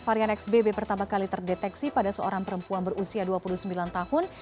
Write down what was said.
varian xbb pertama kali terdeteksi pada seorang perempuan berusia dua puluh sembilan tahun